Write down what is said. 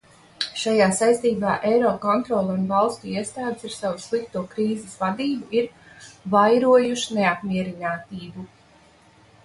Šajā saistībā Eirokontrole un valstu iestādes ar savu slikto krīzes vadību ir vairojušas neapmierinātību.